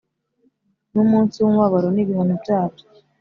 ni umunsi w umubabaro n ibihano byabyo